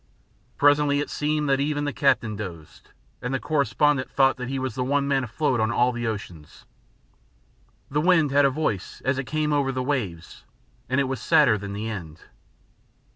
Presently it seemed that even the captain dozed, and the correspondent thought that he was the one man afloat on all the oceans. The wind had a voice as it came over the waves, and it was sadder than the end.